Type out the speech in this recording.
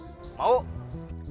ada urusan sebentar